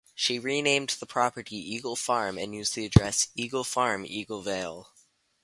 She renamed the property 'Eagle Farm' and used the address 'Eagle Farm, Eagle Vale.